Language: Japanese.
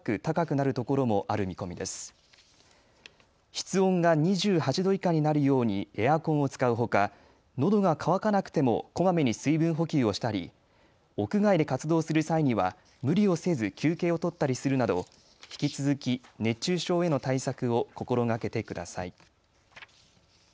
室温が２８度以下になるようにエアコンを使うほかのどが渇かなくてもこまめに水分補給をしたり、屋外で活動する際には無理をせず休憩を取ったりするなど引き続き熱中症への対策を心がけてください。